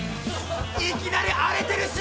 いきなり荒れてるし。